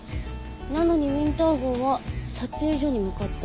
なのにウィンター号は撮影所に向かった。